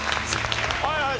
はいはい。